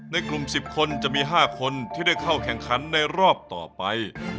ในกลุ่ม๑๐คนจะมี๕คนที่ได้เข้าแข่งขันในรอบต่อไป